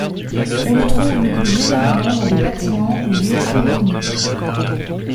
On le trouve le plus généralement dans des bâtiments ou lieux abandonnés.